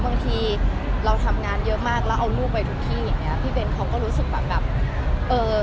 บางทีเราทำงานเยอะมากแล้วเอาลูกไปทุกที่อย่างเงี้พี่เบนเขาก็รู้สึกแบบแบบเออ